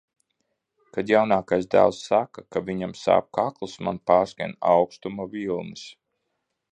Kad jaunākais dēls saka, ka viņam sāp kakls, man pārskrien aukstuma vilnis.